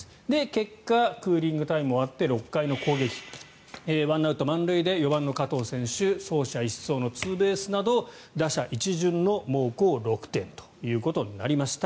結果、クーリングタイム終わって６回の攻撃ワンアウト満塁４番の加藤選手走者一掃のツーベースなど打者一巡の猛攻６点となりました。